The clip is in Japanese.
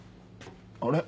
あれ？